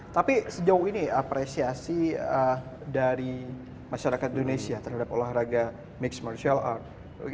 tapi sejauh ini apresiasi dari masyarakat indonesia terhadap olahraga mixed martial art